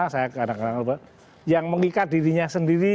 saya kadang kadang yang mengikat dirinya sendiri